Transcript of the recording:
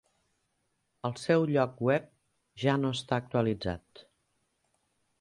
El seu lloc web ja no està actualitzat.